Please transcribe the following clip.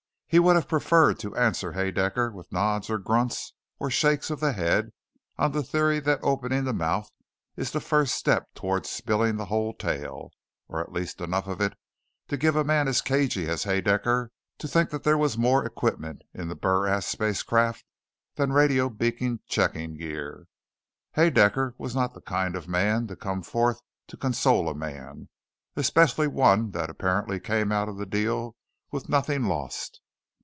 He would have preferred to answer Haedaecker with nods or grunts or shakes of the head on the theory that opening the mouth is the first step towards spilling the whole tale, or at least enough of it to give a man as cagey as Haedaecker to think that there was more equipment in the BurAst spacecraft than radio beacon checking gear. Haedaecker was not the kind of man to come forth to console a man; especially one that apparently came out of the deal with nothing lost.